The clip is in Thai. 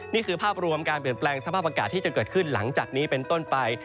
นี่คือภาพรวมการเปลี่ยนแปลงสภาพอากาศที่จะเกิดขึ้นหลังจากนี้เป็นต้นไป